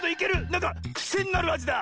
なんかくせになるあじだ！